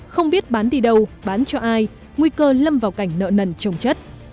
không biết bán đi đâu bán cho ai nguy cơ lâm vào cảnh nợ nần trồng chất